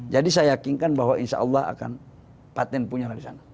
jadi saya yakin bahwa insya allah akan patent punya dari sana